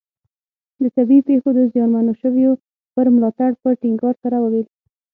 د طبیعي پېښو د زیانمنو شویو پر ملاتړ په ټینګار سره وویل.